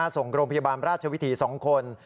ส่งโรงพยาบาลราชวิถี๒คน